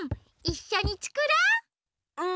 いっしょにつくろう！